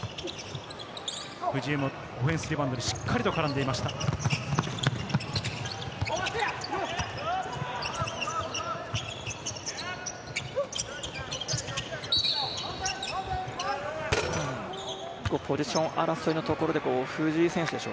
オフェンスリバウンドでしっかり絡んでいました、藤井です。